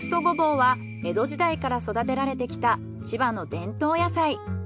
ごぼうは江戸時代から育てられてきた千葉の伝統野菜。